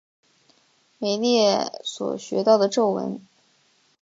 美列所学到的咒文。